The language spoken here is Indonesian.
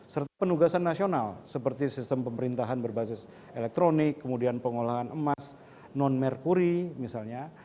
serta penugasan nasional seperti sistem pemerintahan berbasis elektronik kemudian pengolahan emas non merkuri misalnya